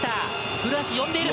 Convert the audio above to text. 古橋、呼んでいる。